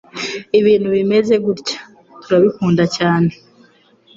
Ibintu Bimeze Gutya Turabikunda Cyane